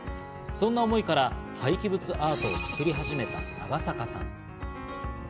そんな思いから廃棄物アートを作り始めた長坂さん。